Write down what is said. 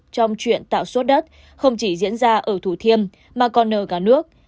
trong chuyện tạo sốt đất không chỉ diễn ra ở thủ thiêm mà còn ở cả nước